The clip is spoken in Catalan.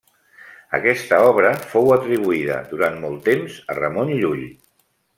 Aquesta obra fou atribuïda, durant molt temps, a Ramon Llull.